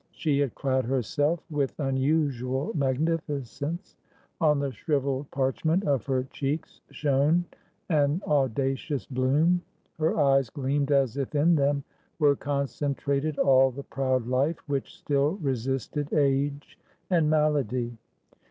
She had clad herself with unusual magnificence; on the shrivelled parchment of her cheeks shone an audacious bloom; her eyes gleamed as if in them were concentrated all the proud life which still resisted age and malady.